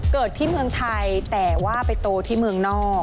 เกิดที่เมืองไทยแต่ว่าไปโตที่เมืองนอก